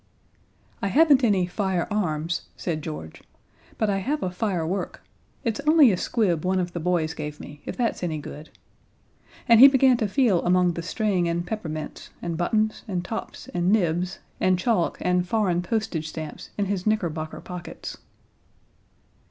"I haven't any fire_arms_," said George, "but I have a fire_work_. It's only a squib one of the boys gave me, if that's any good." And he began to feel among the string and peppermints, and buttons and tops and nibs and chalk and foreign postage stamps in his knickerbocker pockets.